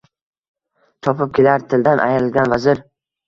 Chopib kelar tildan ayrilgan vazir —